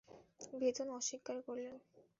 বেতন অস্বীকার করলেন।